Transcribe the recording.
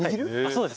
そうです。